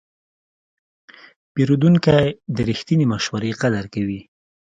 پیرودونکی د رښتینې مشورې قدر کوي.